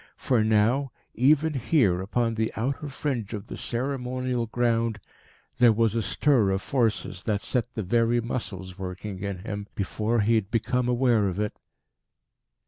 For now, even here, upon the outer fringe of the ceremonial ground, there was a stir of forces that set the very muscles working in him before he had become aware of it....